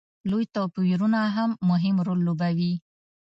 لوی توپیرونه هم مهم رول لوبوي.